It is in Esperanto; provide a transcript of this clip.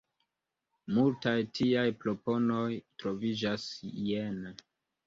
Multaj tiaj proponoj troviĝas jene.